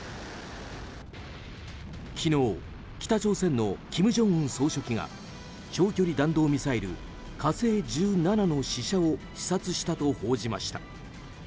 昨日、北朝鮮の金正恩総書記が長距離弾道ミサイル「火星１７」の試射を視察したと報じました。